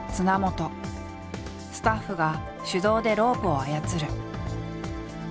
スタッフが手動でロープを操る。